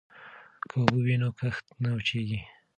که اوبه وي نو کښت نه وچيږي.